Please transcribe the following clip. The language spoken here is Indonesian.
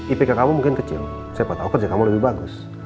ipk kamu mungkin kecil siapa tahu kerja kamu lebih bagus